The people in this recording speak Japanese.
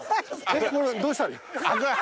えっこれどうしたらいい？